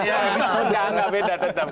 ya tidak beda tetap